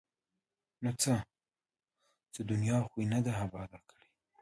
ـ نو څه؟ څه دنیا خو یې نه ده اباد کړې!